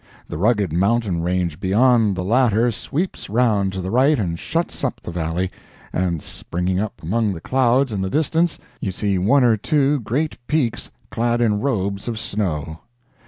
The rugged mountain range beyond the latter sweeps round to the right and shuts up the valley, and, springing up among the clouds in the distance, you see one or two great peaks clad in robes of snow.